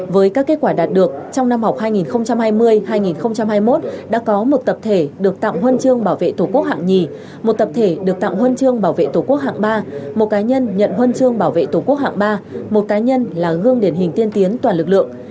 với các kết quả đạt được trong năm học hai nghìn hai mươi hai nghìn hai mươi một đã có một tập thể được tặng huân chương bảo vệ tổ quốc hạng nhì một tập thể được tặng huân chương bảo vệ tổ quốc hạng ba một cá nhân nhận huân chương bảo vệ tổ quốc hạng ba một cá nhân là gương điển hình tiên tiến toàn lực lượng